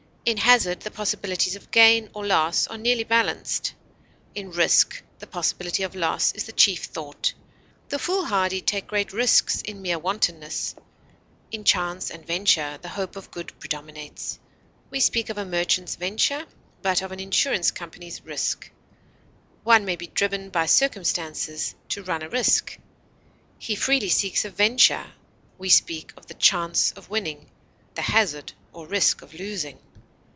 In hazard the possibilities of gain or loss are nearly balanced; in risk the possibility of loss is the chief thought; the foolhardy take great risks in mere wantonness; in chance and venture the hope of good predominates; we speak of a merchant's venture, but of an insurance company's risk; one may be driven by circumstances to run a risk; he freely seeks a venture; we speak of the chance of winning, the hazard or risk of losing.